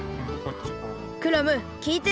クラムきいて。